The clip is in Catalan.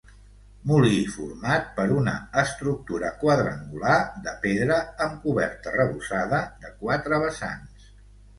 Molí format per una estructura quadrangular de pedra, amb coberta arrebossada de quatre vessants.